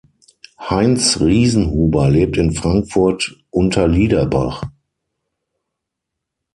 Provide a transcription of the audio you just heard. Heinz Riesenhuber lebt in Frankfurt-Unterliederbach.